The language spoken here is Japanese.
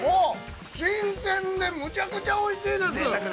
新鮮で、むちゃくちゃおいしいです。